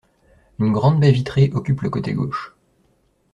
Une grande baie vitrée occupe le côté gauche.